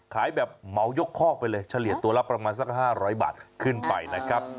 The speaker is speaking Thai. ขายแบบเหมายกคอกไปเลยเฉลี่ยตัวละประมาณสัก๕๐๐บาทขึ้นไปนะครับ